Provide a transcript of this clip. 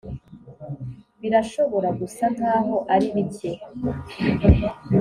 birashobora gusa nkaho ari bike